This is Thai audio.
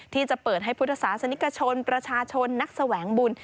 ที่จะเปิดให้พุทธศาสนิกชนประชาชนนักแสวงบุญ